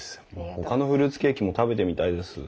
ほかのフルーツケーキも食べてみたいです。